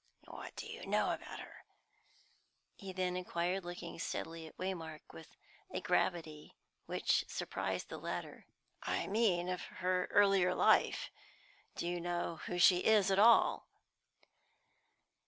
"What do you know about her?" he then inquired, looking steadily at Waymark, with a gravity which surprised the latter. "I mean, of her earlier life. Do you know who she is at all?"